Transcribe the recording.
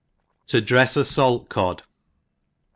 To drefs a Salt Cop. .